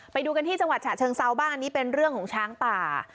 ไปดูกันที่จังหวัดฉะเชิงเซาบ้างอันนี้เป็นเรื่องของช้างป่า